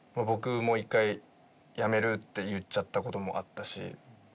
僕も一回、辞めるって言っちゃったこともあったし。